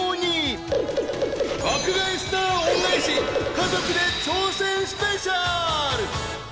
［家族で挑戦スペシャル］